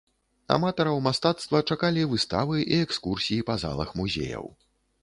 Аматараў мастацтва чакалі выставы і экскурсіі па залах музеяў.